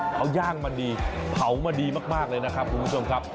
เขาย่างมาดีเผามาดีมากเลยนะครับคุณผู้ชมครับ